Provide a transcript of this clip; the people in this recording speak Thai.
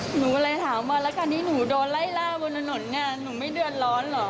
หนูก็เลยถามว่าแล้วการที่หนูโดนไล่ล่าบนถนนเนี่ยหนูไม่เดือดร้อนเหรอ